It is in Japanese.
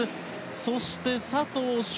そして、佐藤翔